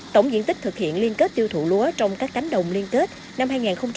tổng diện tích thực hiện liên kết tiêu thụ lúa trong các cánh đồng liên kết năm hai nghìn hai mươi